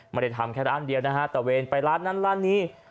ไม่ได้ทำแค่ร้านเดียวนะฮะตะเวนไปร้านนั้นร้านนี้